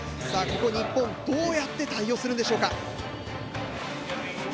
ここ日本どうやって対応するんでしょうか。